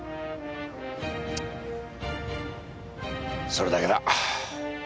それだけだ。